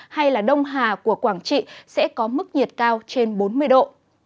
hay đông hà của quảng trị sẽ có mức nhiệt cao trên bốn mươi độ